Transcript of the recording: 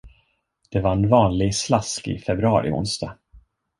Det var en vanlig, slaskig, februari-onsdag.